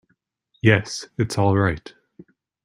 Yes, it's all right.